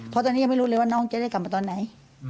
เพราะตอนนี้ยังไม่รู้เลยว่าน้องจะได้กลับมาตอนไหน